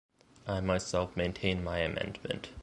I myself maintain my amendment.